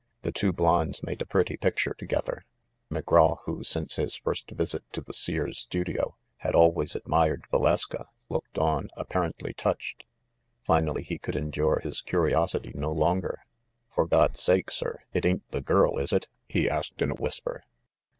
The two blondes made a pretty picture together. Mc Graw, who since his first visit to the Seer's studio, had always admired Valeska, looked on, apparently touched. Finally he could endure his curiosity no longer. "For God's sake, sir, it ain't the girl, is it?" he asked in a whisper.